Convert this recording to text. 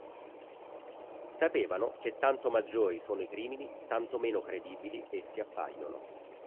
Sapevano che tanto maggiori sono i crimini, tanto meno credibili essi appaiono.